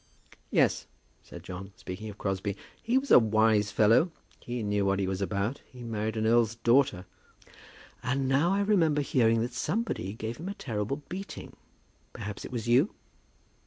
"Yes," said John, speaking of Crosbie, "he was a wise fellow; he knew what he was about; he married an earl's daughter." "And now I remember hearing that somebody gave him a terrible beating. Perhaps it was you?"